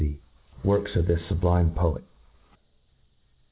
the works of this fublime poet.